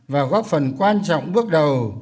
và góp phần quan trọng bước đầu